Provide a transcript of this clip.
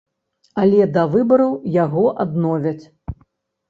Але да выбараў яго адновяць.